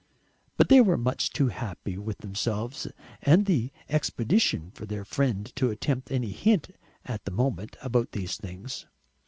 But they were much too happy with themselves and the expedition for their friend to attempt any hint at the moment about these things.